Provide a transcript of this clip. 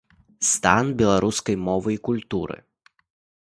Стан беларускай мовы і культуры?